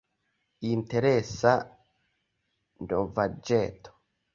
Interesa novaĵeto.